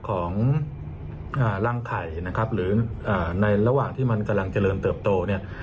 ของร่างไข่นะครับหรือในระหว่างที่มันกำลังเจริญเติบโตเนี่ย